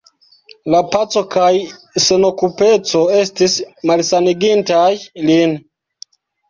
La paco kaj senokupeco estis malsanigintaj lin.